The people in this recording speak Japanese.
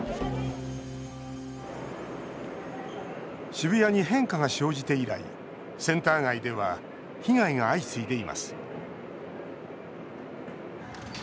渋谷に変化が生じて以来センター街では被害が相次いでいます。